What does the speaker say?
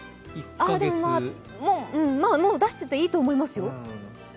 でも、もう出してていいと思いますよ。